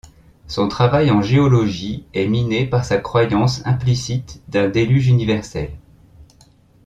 Son travail en géologie est miné par sa croyance implicite d'un déluge universel.